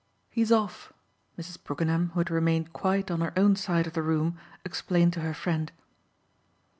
He's off," Mrs. Brookenham, who had remained quite on her own side of the room, explained to her friend.